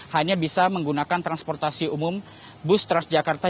hanya bisa menggunakan transportasi umum bus transjakarta